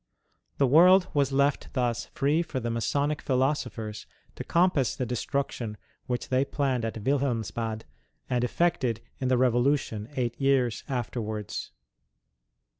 The world was left thus free for the Masonic philosophers to compass the destruction which they planned at Wilhelmsbad and effected in the llevolution eight years afterwards.